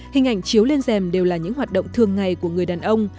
hình ảnh chiếu lên dèm đều là những hoạt động thường ngày của người đàn ông